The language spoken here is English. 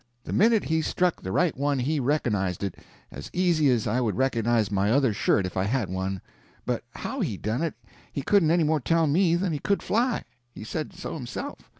The minute he struck the right one he reconnized it as easy as I would reconnize my other shirt if I had one, but how he done it he couldn't any more tell than he could fly; he said so himself.